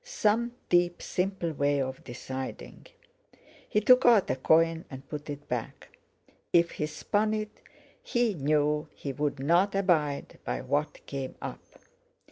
Some deep, simple way of deciding! He took out a coin, and put it back. If he spun it, he knew he would not abide by what came up!